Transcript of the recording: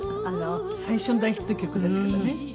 最初の大ヒット曲ですけどねはい。